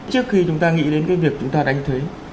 trước khi chúng ta nghĩ đến cái việc chúng ta đánh thuế